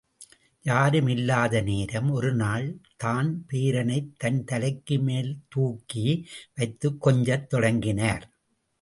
யாரும் இல்லாத நேரம், ஒரு நாள் தான் பேரனைத் தன் தலைக்கு மேல்தூக்கி வைத்துக் கொஞ்சத் தொடங்கினார்.